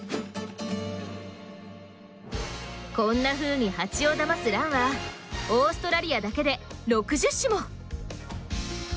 こんなふうにハチをだますランはオーストラリアだけで６０種も！